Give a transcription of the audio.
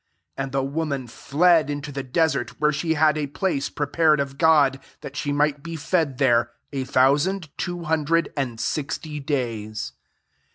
6 And the woman fled into the desert, where she had a place prepared of God, that she might be fed there a thou sand two hundred and sixty days.